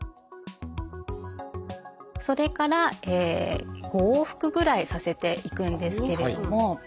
それから５往復ぐらいさせていくんですけれども。